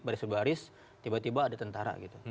baris baris tiba tiba ada tentara gitu